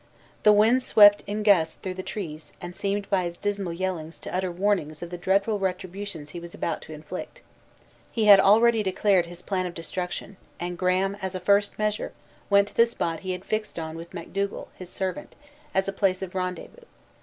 The wind swept in gusts through the trees, and seemed by its dismal yellings, to utter warnings of the dreadful retributions he was about to inflict. He had already declared his plan of destruction; and Graham, as a first measure, went to the spot he had fixed on with Macdougal, his servant, as a place of rendezvous.